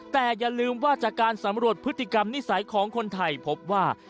แต่อย่าลืมว่าจากการสำรวจพฤติกรรมนิสัยของคนไทยพบว่า